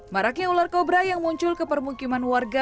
maraknya ular kobra yang muncul ke permukiman warga